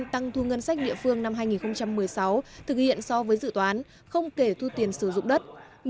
tăng thu ngân sách địa phương năm hai nghìn một mươi sáu thực hiện so với dự toán không kể thu tiền sử dụng đất